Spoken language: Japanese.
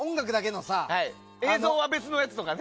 映像は別のやつとかね。